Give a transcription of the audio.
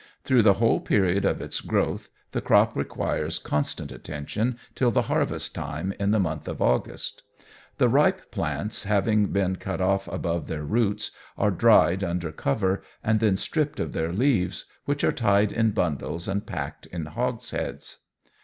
Through the whole period of its growth, the crop requires constant attention till the harvest time, in the month of August. The ripe plants having been cut off above their roots, are dried under cover, and then stripped of their leaves, which are tied in bundles and packed in hogsheads.